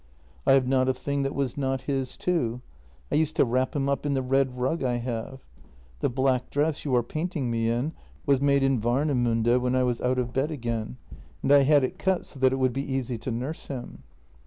I have not a thing that was not his too. I used to w r rap him up in the red rug I have. The black dress you are paint ing me in was made in Warnemunde when I was out of bed again, and I had it cut so that it w 7 ould be easy to nurse him.